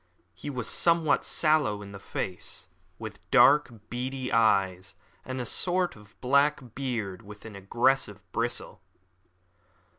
He was somewhat sallow in the face, with dark, beady eyes, and a short, black beard with an aggressive bristle.